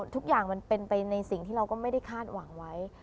ทุกอย่างมันเป็นไปในสิ่งที่เราก็ไม่ได้คาดหวังไว้